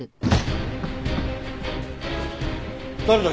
誰だ？